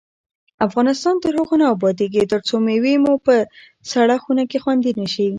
افغانستان تر هغو نه ابادیږي، ترڅو مېوې مو په سړه خونه کې خوندي نشي.